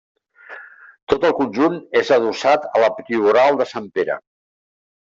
Tot el conjunt és adossat a la Prioral de Sant Pere.